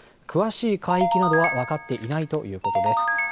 詳しい海域などは分かっていないということです。